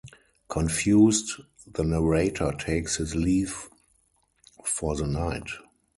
Confused, the narrator takes his leave for the night.